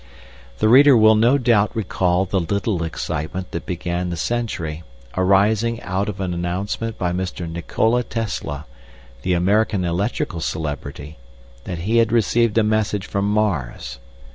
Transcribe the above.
The reader will no doubt recall the little excitement that began the century, arising out of an announcement by Mr. Nikola Tesla, the American electrical celebrity, that he had received a message from Mars.